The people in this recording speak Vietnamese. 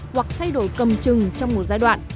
hoặc thay đổi cầm chừng trong một giai đoạn